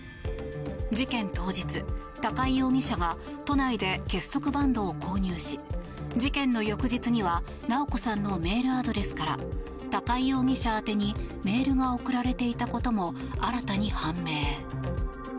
事件当日、高井容疑者が都内で結束バンドを購入し事件の翌日には直子さんのメールアドレスから高井容疑者宛てにメールが送られていたことも新たに判明。